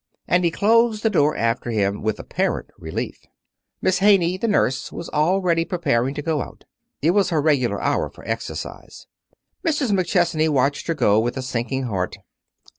And he closed the door after himself with apparent relief. Miss Haney, the nurse, was already preparing to go out. It was her regular hour for exercise. Mrs. McChesney watched her go with a sinking heart.